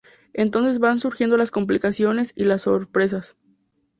Entonces van surgiendo las complicaciones y las sorpresas.